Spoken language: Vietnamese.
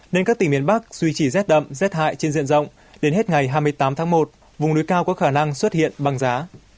nên các tỉnh miền bắc duy trì rét đậm rét hại trên diện rộng đến hết ngày hai mươi tám tháng một vùng núi cao có khả năng xuất hiện băng giá